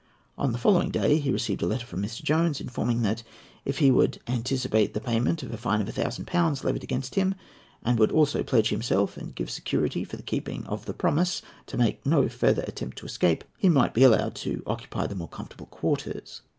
On the following day he received a letter from Mr. Jones informing him that, if he would anticipate the payment of the fine of 1000£ levied against him, and would also pledge himself, and give security for the keeping of the promise, to make no further effort to escape, he might be allowed to occupy the more comfortable quarters.